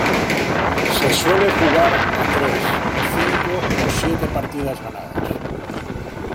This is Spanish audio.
Se suele jugar a tres, cinco o siete partidas ganadas.